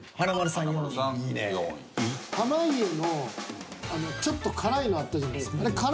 濱家のちょっと辛いのあったじゃないですか。